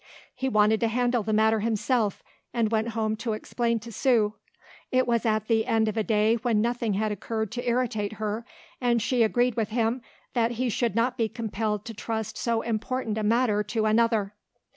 He wanted to handle the matter himself and went home to explain to Sue. It was at the end of a day when nothing had occurred to irritate her and she agreed with him that he should not be compelled to trust so important a matter to another.